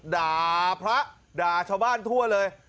ด่าพระด่าชาวบ้านทั่วเลย